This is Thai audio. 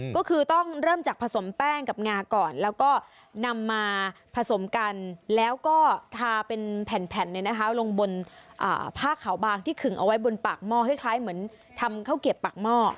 ก็คือต้องเริ่มจากผสมแป้งกับงาก่อนแล้วก็นำมาผสมกันแล้วก็ทาเป็นแผ่นลงบนผ้าขาวบางที่ขึงเอาไว้บนปากหม้อคล้ายเหมือนทำข้าวเก็บปากหม้อ